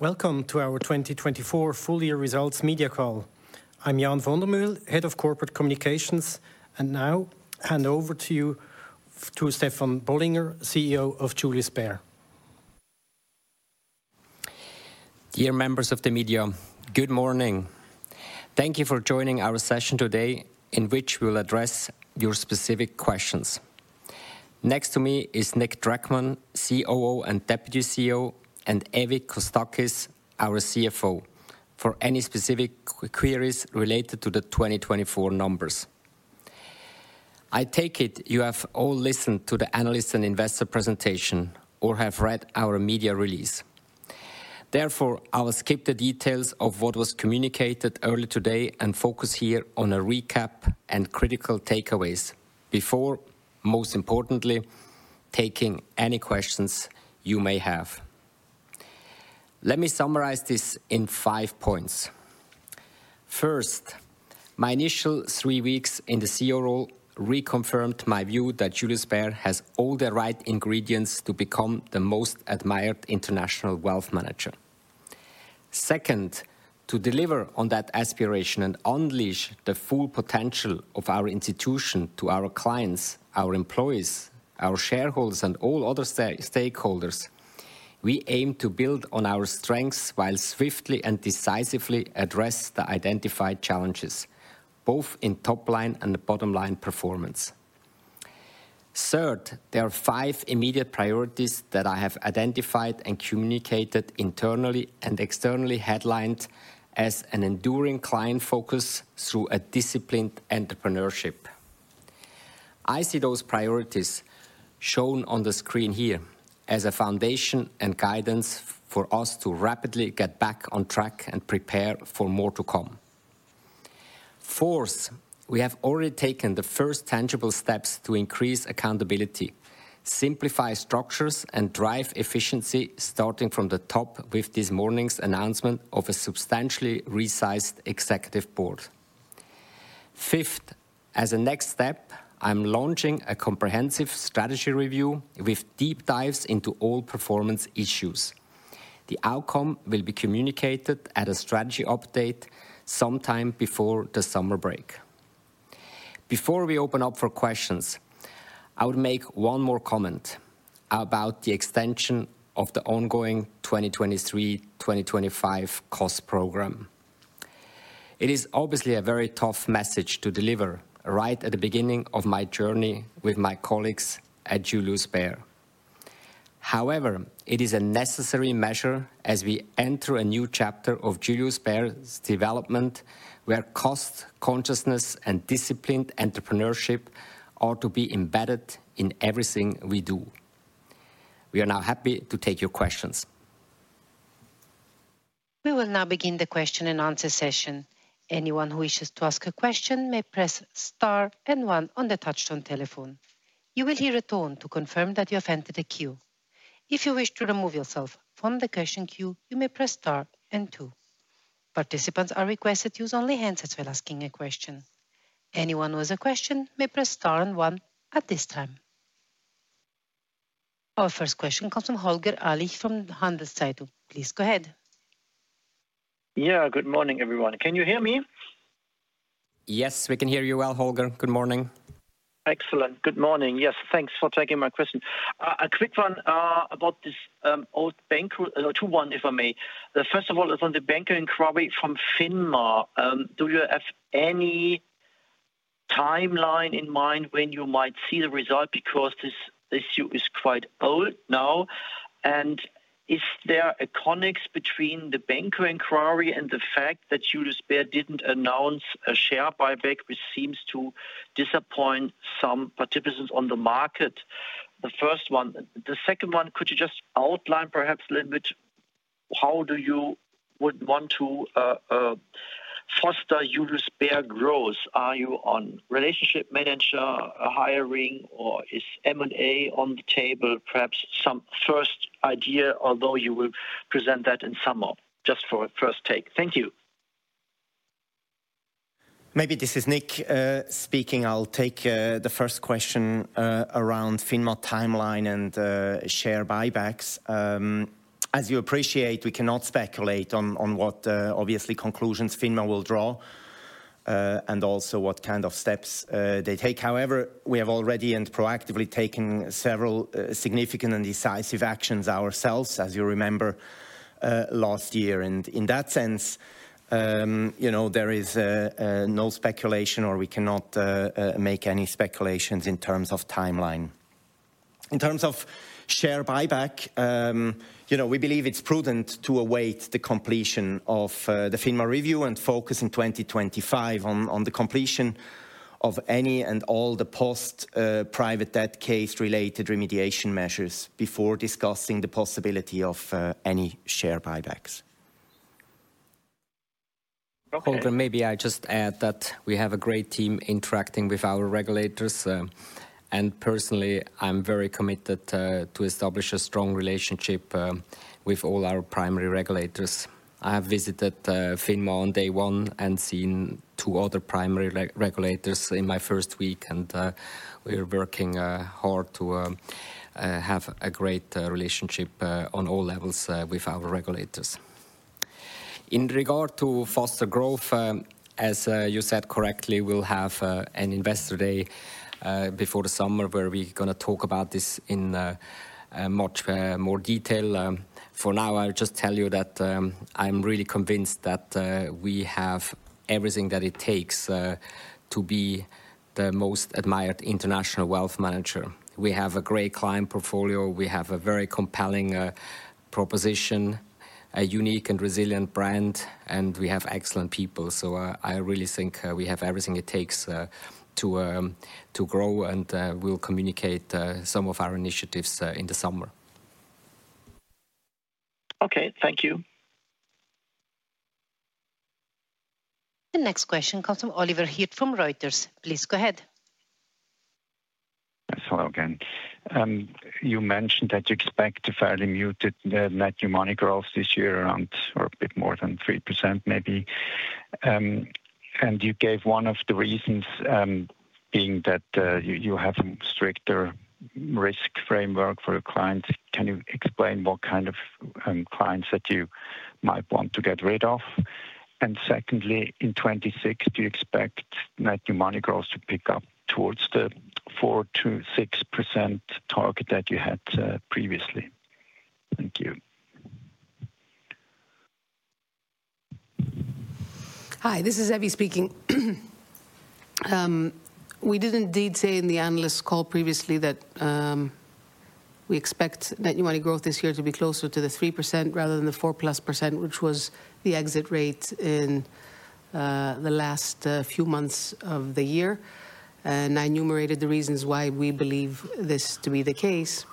Welcome to our 2024 full year results media call. I'm Jan Vonder Mühll, Head of Corporate Communications, and now hand over to Stefan Bollinger, CEO of Julius Baer. Dear members of the media, good morning. Thank you for joining our session today, in which we'll address your specific questions. Next to me is Nic Dreckmann, COO and Deputy CEO, and Evie Kostakis, our CFO, for any specific queries related to the 2024 numbers. I take it you have all listened to the analysts' and investors' presentation, or have read our media release. Therefore, I will skip the details of what was communicated early today and focus here on a recap and critical takeaways before, most importantly, taking any questions you may have. Let me summarize this in five points. First, my initial three weeks in the CEO role reconfirmed my view that Julius Baer has all the right ingredients to become the most admired international wealth manager. Second, to deliver on that aspiration and unleash the full potential of our institution to our clients, our employees, our shareholders, and all other stakeholders, we aim to build on our strengths while swiftly and decisively address the identified challenges, both in top line and bottom line performance. Third, there are five immediate priorities that I have identified and communicated internally and externally, headlined as an enduring client focus through a disciplined entrepreneurship. I see those priorities shown on the screen here as a foundation and guidance for us to rapidly get back on track and prepare for more to come. Fourth, we have already taken the first tangible steps to increase accountability, simplify structures, and drive efficiency starting from the top with this morning's announcement of a substantially resized Executive Board. Fifth, as a next step, I'm launching a comprehensive strategy review with deep dives into all performance issues. The outcome will be communicated at a strategy update sometime before the summer break. Before we open up for questions, I would make one more comment about the extension of the ongoing 2023-2025 cost program. It is obviously a very tough message to deliver right at the beginning of my journey with my colleagues at Julius Baer. However, it is a necessary measure as we enter a new chapter of Julius Baer's development, where cost consciousness and disciplined entrepreneurship are to be embedded in everything we do. We are now happy to take your questions. We will now begin the question and answer session. Anyone who wishes to ask a question may press star and one on the touch-tone telephone. You will hear a tone to confirm that you have entered a queue. If you wish to remove yourself from the question queue, you may press star and two. Participants are requested to use only handsets while asking a question. Anyone who has a question may press star and one at this time. Our first question comes from Holger Alich from Handelszeitung. Please go ahead. Yeah, good morning, everyone. Can you hear me? Yes, we can hear you well, Holger. Good morning. Excellent. Good morning. Yes, thanks for taking my question. A quick one about this whole Benko, two one, if I may. First of all, it's on the Benko inquiry from FINMA. Do you have any timeline in mind when you might see the result? Because this issue is quite old now, and is there a connection between the Benko inquiry and the fact that Julius Baer didn't announce a share buyback, which seems to disappoint some participants on the market? The first one. The second one, could you just outline perhaps a little bit how do you want to foster Julius Baer growth? Are you on relationship manager hiring, or is M&A on the table? Perhaps some first idea, although you will present that in summer, just for a first take. Thank you. Maybe this is Nic speaking. I'll take the first question around FINMA timeline and share buybacks. As you appreciate, we cannot speculate on what obvious conclusions FINMA will draw and also what kind of steps they take. However, we have already and proactively taken several significant and decisive actions ourselves, as you remember, last year, and in that sense, there is no speculation, or we cannot make any speculations in terms of timeline. In terms of share buyback, we believe it's prudent to await the completion of the FINMA review and focus in 2025 on the completion of any and all the post-private debt case related remediation measures before discussing the possibility of any share buybacks. Holger, maybe I just add that we have a great team interacting with our regulators, and personally, I'm very committed to establish a strong relationship with all our primary regulators. I have visited FINMA on day one and seen two other primary regulators in my first week, and we are working hard to have a great relationship on all levels with our regulators. In regard to foster growth, as you said correctly, we'll have an Investor Day before the summer where we're going to talk about this in much more detail. For now, I'll just tell you that I'm really convinced that we have everything that it takes to be the most admired international wealth manager. We have a great client portfolio. We have a very compelling proposition, a unique and resilient brand, and we have excellent people. I really think we have everything it takes to grow, and we'll communicate some of our initiatives in the summer. Okay, thank you. The next question comes from Oliver Hirt from Reuters. Please go ahead. Hello again. You mentioned that you expect a fairly muted net new money growth this year around a bit more than 3% maybe. And you gave one of the reasons being that you have a stricter risk framework for your clients. Can you explain what kind of clients that you might want to get rid of? And secondly, in 2026, do you expect net new money growth to pick up towards the 4%-6% target that you had previously? Thank you. Hi, this is Evie speaking. We did indeed say in the analysts' call previously that we expect net new money growth this year to be closer to the 3% rather than the 4+%, which was the exit rate in the last few months of the year. And I enumerated the reasons why we believe this to be the case,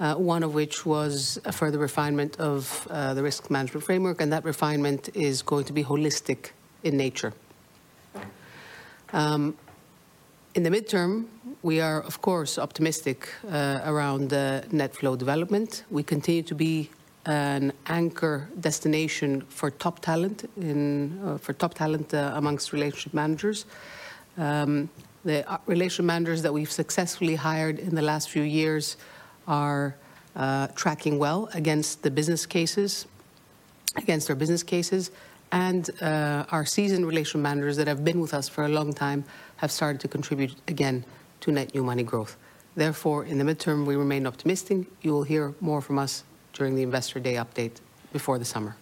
one of which was a further refinement of the risk management framework. And that refinement is going to be holistic in nature. In the midterm, we are, of course, optimistic around net flow development. We continue to be an anchor destination for top talent amongst relationship managers. The relationship managers that we've successfully hired in the last few years are tracking well against the business cases, against our business cases. Our seasoned relationship managers that have been with us for a long time have started to contribute again to net new money growth. Therefore, in the midterm, we remain optimistic. You will hear more from us during the Investor Day update before the summer.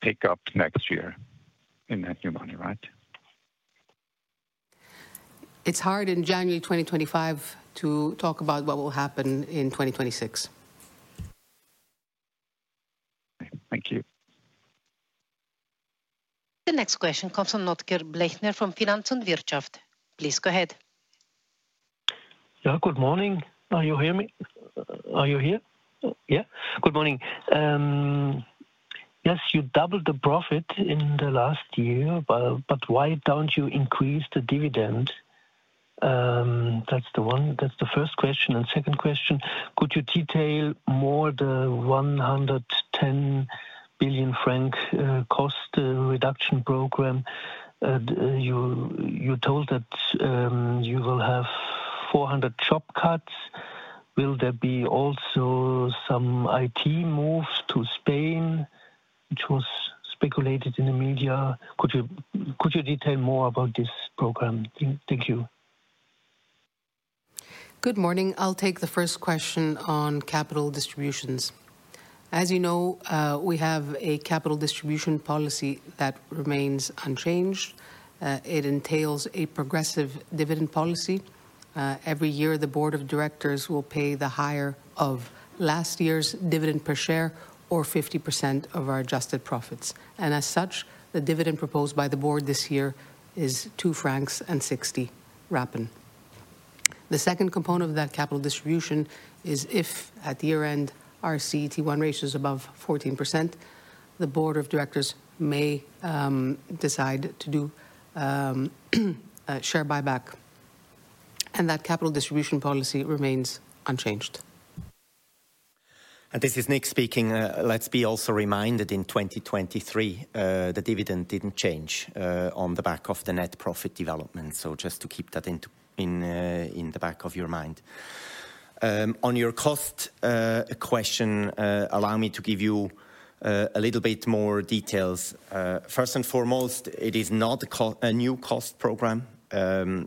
Pick up next year in net new money, right? It's hard in January 2025 to talk about what will happen in 2026. Thank you. The next question comes from Notker Blechner from Finanz und Wirtschaft. Please go ahead. Good morning. Are you hearing me? Are you here? Yeah, good morning. Yes, you doubled the profit in the last year, but why don't you increase the dividend? That's the first question. And second question, could you detail more the 110 million franc cost reduction program? You told that you will have 400 job cuts. Will there be also some IT moves to Spain, which was speculated in the media? Could you detail more about this program? Thank you. Good morning. I'll take the first question on capital distributions. As you know, we have a capital distribution policy that remains unchanged. It entails a progressive dividend policy. Every year, the board of directors will pay the higher of last year's dividend per share or 50% of our adjusted profits, and as such, the dividend proposed by the board this year is 2.60 francs. The second component of that capital distribution is if at year end our CET1 ratio is above 14%, the board of directors may decide to do share buyback, and that capital distribution policy remains unchanged. This is Nic speaking. Let's be also reminded in 2023, the dividend didn't change on the back of the net profit development. So just to keep that in the back of your mind. On your cost question, allow me to give you a little bit more details. First and foremost, it is not a new cost program.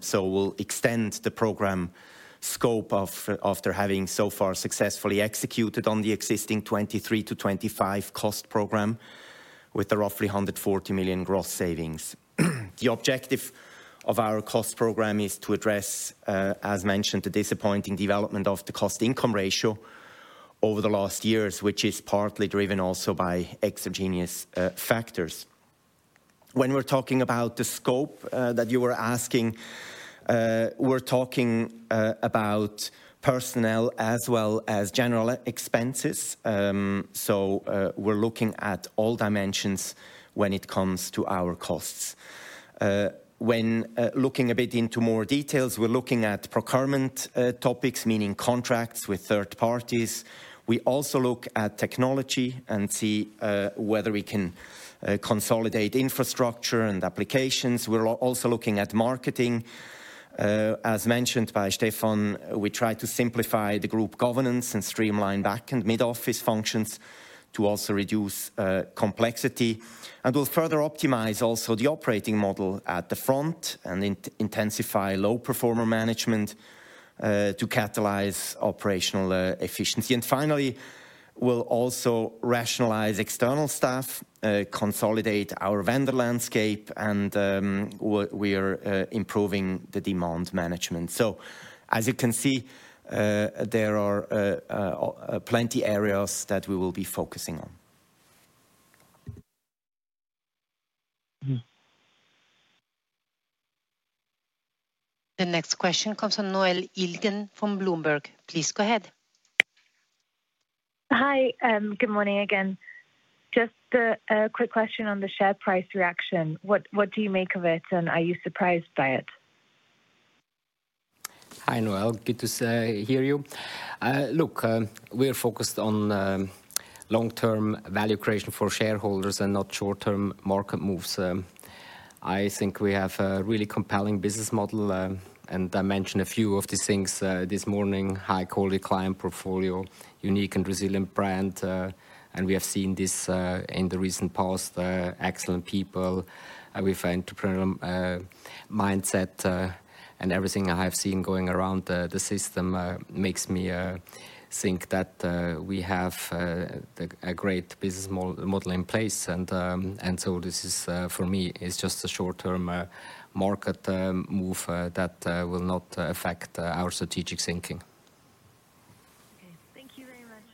So we'll extend the program scope after having so far successfully executed on the existing 2023-2025 cost program with a roughly 140 million gross savings. The objective of our cost program is to address, as mentioned, the disappointing development of the cost/income ratio over the last years, which is partly driven also by exogenous factors. When we're talking about the scope that you were asking, we're talking about personnel as well as general expenses. So we're looking at all dimensions when it comes to our costs. When looking a bit into more details, we're looking at procurement topics, meaning contracts with third parties. We also look at technology and see whether we can consolidate infrastructure and applications. We're also looking at marketing. As mentioned by Stefan, we try to simplify the group governance and streamline back and mid-office functions to also reduce complexity. And we'll further optimize also the operating model at the front and intensify low performer management to catalyze operational efficiency. And finally, we'll also rationalize external staff, consolidate our vendor landscape, and we are improving the demand management. So as you can see, there are plenty of areas that we will be focusing on. The next question comes from Noele Illien from Bloomberg. Please go ahead. Hi, good morning again. Just a quick question on the share price reaction. What do you make of it, and are you surprised by it? Hi, Noele. Good to hear you. Look, we are focused on long-term value creation for shareholders and not short-term market moves. I think we have a really compelling business model, and I mentioned a few of these things this morning: high-quality client portfolio, unique and resilient brand, and we have seen this in the recent past. Excellent people. We have an entrepreneurial mindset, and everything I have seen going around the system makes me think that we have a great business model in place, and so this is, for me, just a short-term market move that will not affect our strategic thinking. Thank you very much.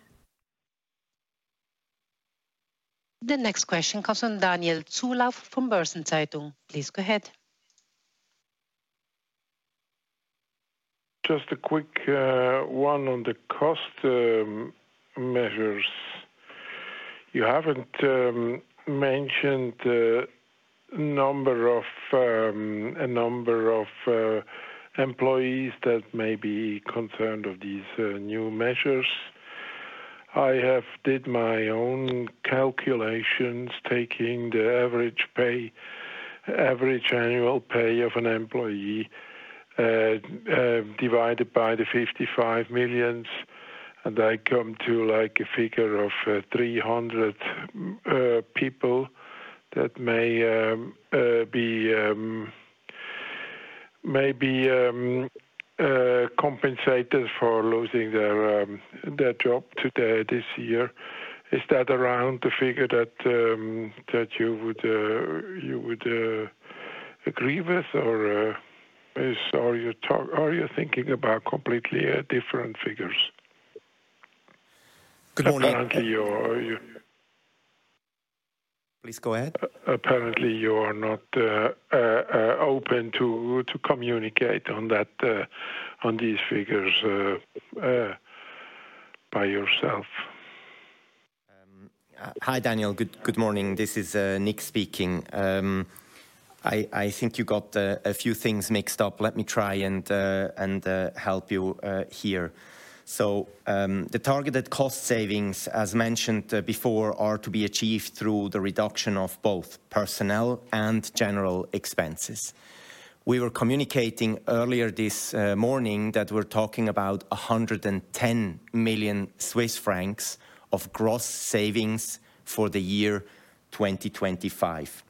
The next question comes from Daniel Zulauf from Börsen-Zeitung. Please go ahead. Just a quick one on the cost measures. You haven't mentioned a number of employees that may be concerned of these new measures. I have did my own calculations, taking the average annual pay of an employee divided by the 55 million, and I come to like a figure of 300 people that may be compensated for losing their job today this year. Is that around the figure that you would agree with? Or are you thinking about completely different figures? Good morning. Apparently, you're. Please go ahead. Apparently, you are not open to communicate on these figures by yourself. Hi, Daniel. Good morning. This is Nic speaking. I think you got a few things mixed up. Let me try and help you here. So the targeted cost savings, as mentioned before, are to be achieved through the reduction of both personnel and general expenses. We were communicating earlier this morning that we're talking about 110 million Swiss francs of gross savings for the year 2025.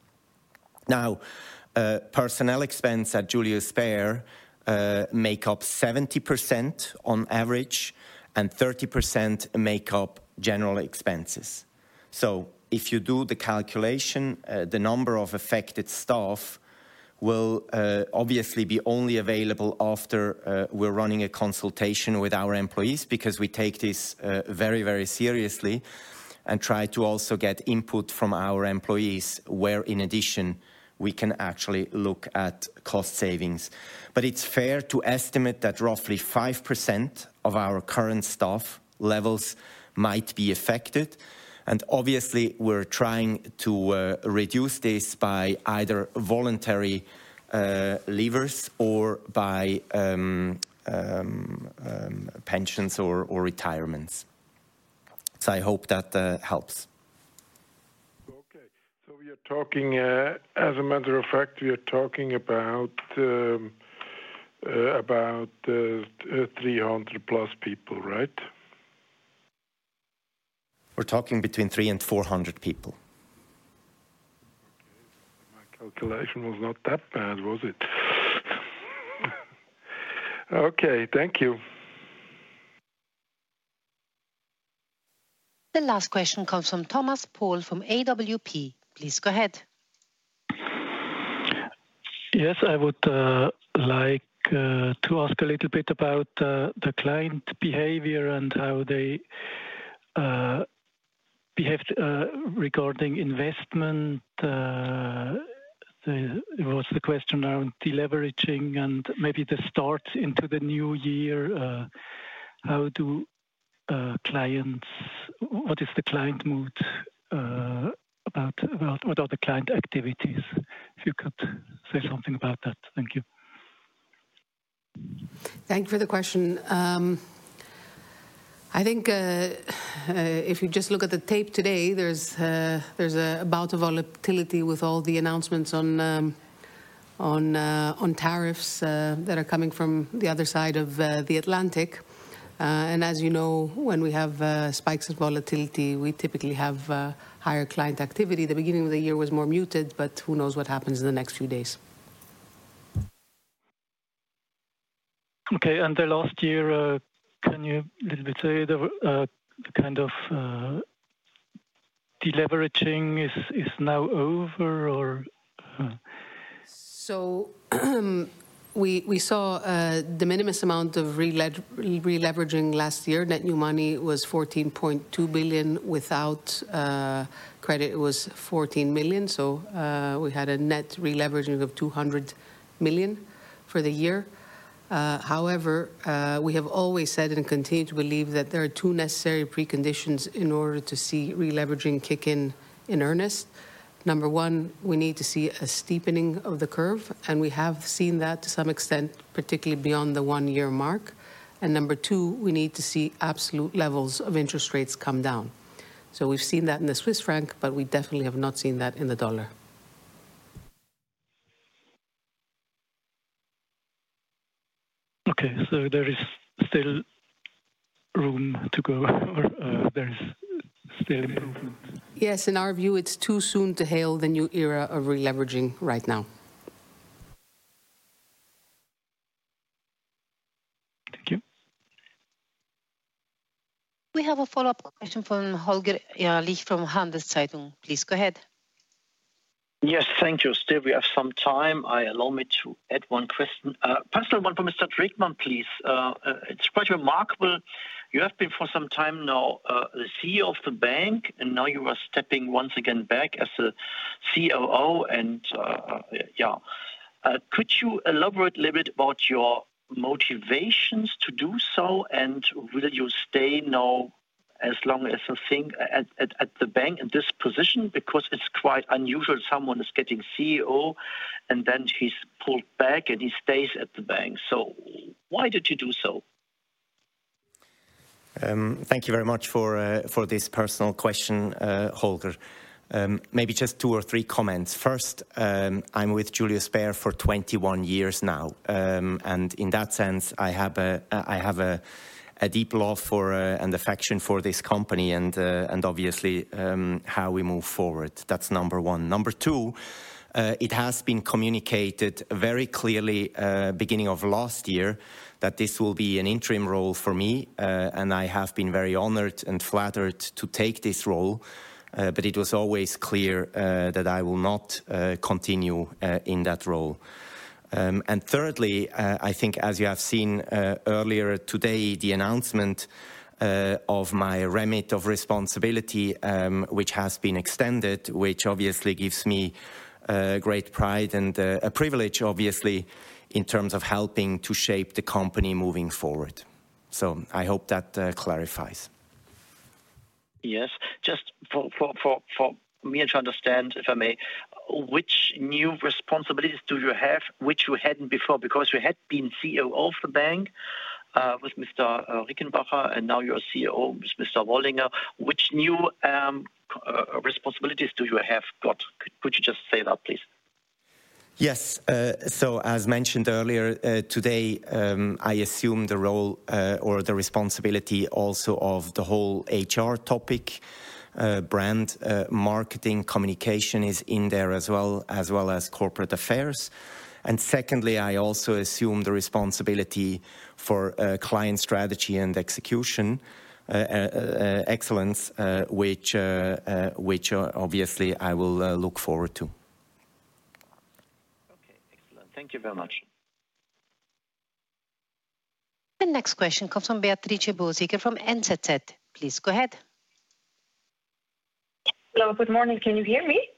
Now, personnel expense at Julius Baer make up 70% on average, and 30% make up general expenses. So if you do the calculation, the number of affected staff will obviously be only available after we're running a consultation with our employees because we take this very, very seriously and try to also get input from our employees where, in addition, we can actually look at cost savings. But it's fair to estimate that roughly 5% of our current staff levels might be affected. And obviously, we're trying to reduce this by either voluntary leavers or by pensions or retirements. So I hope that helps. Okay, so we are talking, as a matter of fact, we are talking about 300+ people, right? We're talking between 300 and 400 people. My calculation was not that bad, was it? Okay, thank you. The last question comes from Thomas Paul from AWP. Please go ahead. Yes, I would like to ask a little bit about the client behavior and how they behave regarding investment. There was the question around deleveraging and maybe the start into the new year. How do clients, what is the client mood about the client activities? If you could say something about that. Thank you. Thank you for the question. I think if you just look at the tape today, there's a bout of volatility with all the announcements on tariffs that are coming from the other side of the Atlantic. And as you know, when we have spikes of volatility, we typically have higher client activity. The beginning of the year was more muted, but who knows what happens in the next few days. Okay. And the last year, can you a little bit say the kind of deleveraging is now over or? So we saw the minimum amount of releveraging last year. Net new money was 14.2 billion. Without credit, it was 14 million. So we had a net releveraging of 200 million for the year. However, we have always said and continue to believe that there are two necessary preconditions in order to see releveraging kick in in earnest. Number one, we need to see a steepening of the curve. And we have seen that to some extent, particularly beyond the one-year mark. And number two, we need to see absolute levels of interest rates come down. So we've seen that in the Swiss franc, but we definitely have not seen that in the dollar. Okay. So there is still room to go. There is still improvement. Yes. In our view, it's too soon to hail the new era of releveraging right now. Thank you. We have a follow-up question from Holger Alich from Handelszeitung. Please go ahead. Yes, thank you, Steve. We have some time. Allow me to add one question. First, one from Mr. Dreckmann, please. It's quite remarkable. You have been for some time now the CEO of the bank, and now you are stepping once again back as a COO. And yeah, could you elaborate a little bit about your motivations to do so? And will you stay now as long as you think at the bank in this position? Because it's quite unusual someone is getting CEO and then he's pulled back and he stays at the bank. So why did you do so? Thank you very much for this personal question, Holger. Maybe just two or three comments. First, I'm with Julius Baer for 21 years now. And in that sense, I have a deep love and affection for this company and obviously how we move forward. That's number one. Number two, it has been communicated very clearly beginning of last year that this will be an interim role for me. And I have been very honored and flattered to take this role. But it was always clear that I will not continue in that role. And thirdly, I think as you have seen earlier today, the announcement of my remit of responsibility, which has been extended, which obviously gives me great pride and a privilege, obviously, in terms of helping to shape the company moving forward. So I hope that clarifies. Yes. Just for me to understand, if I may, which new responsibilities do you have which you hadn't before? Because you had been CEO of the bank with Mr. Rickenbacher, and now you're CEO with Mr. Bollinger. Which new responsibilities do you have got? Could you just say that, please? Yes. So as mentioned earlier today, I assume the role or the responsibility also of the whole HR topic, brand marketing, communication is in there as well, as well as corporate affairs. And secondly, I also assume the responsibility for client strategy and execution excellence, which obviously I will look forward to. Okay. Excellent. Thank you very much. The next question comes from Beatrice Borsiger from NZZ. Please go ahead. Hello. Good morning. Can you hear me?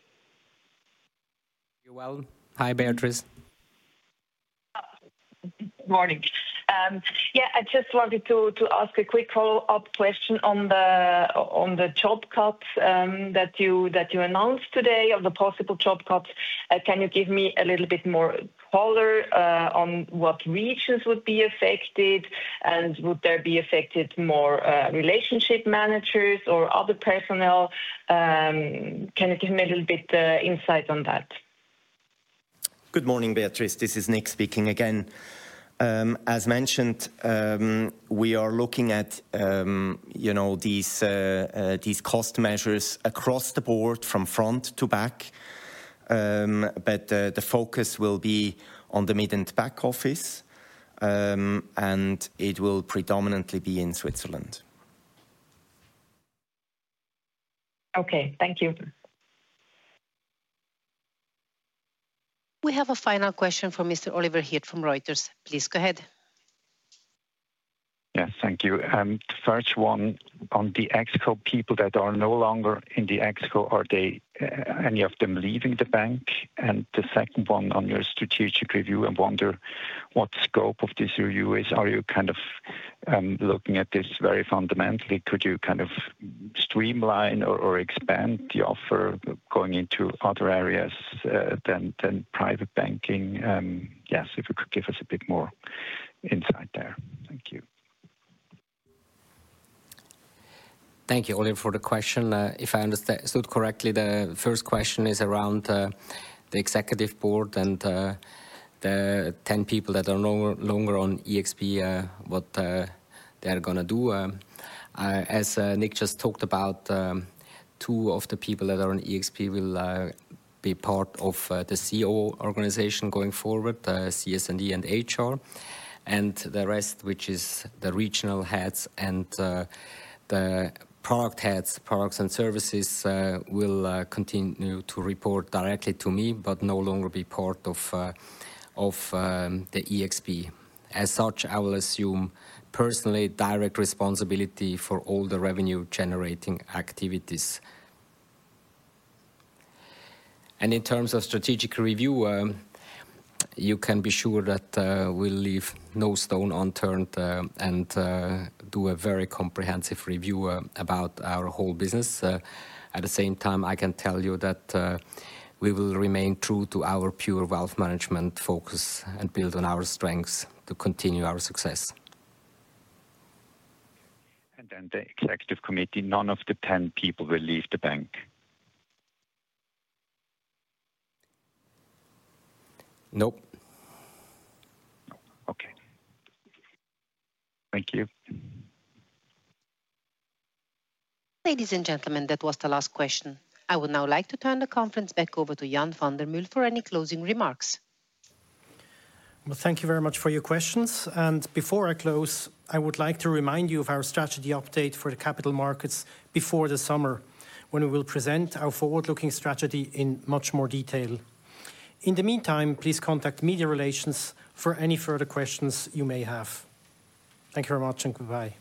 You're well. Hi, Beatrice. Good morning. Yeah, I just wanted to ask a quick follow-up question on the job cuts that you announced today of the possible job cuts. Can you give me a little bit more color on what regions would be affected? And would there be affected more Relationship Managers or other personnel? Can you give me a little bit of insight on that? Good morning, Beatrice. This is Nic speaking again. As mentioned, we are looking at these cost measures across the board from front to back. But the focus will be on the mid and back office. And it will predominantly be in Switzerland. Okay. Thank you. We have a final question from Mr. Oliver Hirt from Reuters. Please go ahead. Yes, thank you. The first one on the ExCo people that are no longer in the ExCo, are any of them leaving the bank? And the second one on your strategic review, I wonder what scope of this review is. Are you kind of looking at this very fundamentally? Could you kind of streamline or expand the offer going into other areas than private banking? Yes, if you could give us a bit more insight there. Thank you. Thank you, Oliver, for the question. If I understood correctly, the first question is around the executive board and the 10 people that are no longer on ExB, what they are going to do. As Nic just talked about, two of the people that are on ExB will be part of the COO organization going forward, CS&E and HR. And the rest, which is the regional heads and the product heads, products and services, will continue to report directly to me, but no longer be part of the ExB. As such, I will assume personally direct responsibility for all the revenue-generating activities. And in terms of strategic review, you can be sure that we'll leave no stone unturned and do a very comprehensive review about our whole business. At the same time, I can tell you that we will remain true to our pure wealth management focus and build on our strengths to continue our success. And then the Executive Committee, none of the 10 people will leave the bank? Nope. Okay. Thank you. Ladies and gentlemen, that was the last question. I would now like to turn the conference back over to Jan Vonder Mühll for any closing remarks. Thank you very much for your questions. Before I close, I would like to remind you of our strategy update for the capital markets before the summer, when we will present our forward-looking strategy in much more detail. In the meantime, please contact media relations for any further questions you may have. Thank you very much and goodbye.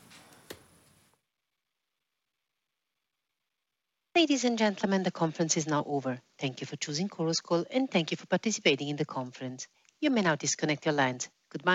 Ladies and gentlemen, the conference is now over. Thank you for choosing Chorus Call and thank you for participating in the conference. You may now disconnect your lines. Goodbye.